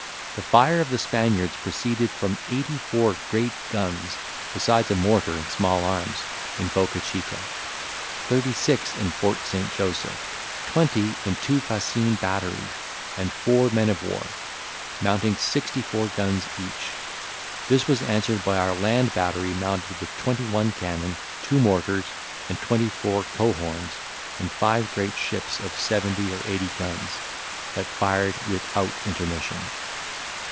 The fire of the Spaniards proceeded from eighty four great guns, besides a mortar and small arms, in Bocca Chica; thirty six in Fort St. Joseph; twenty in two fascine batteries, and four men of war, mounting sixty four guns each. This was answered by our land battery mounted with twenty one cannon, two mortars, and twenty four cohorns, and five great ships of seventy or eighty guns, that fired without intermission.